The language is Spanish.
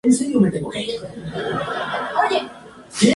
Se inicia en la avenida Ernesto Montagne en el distrito de Miraflores.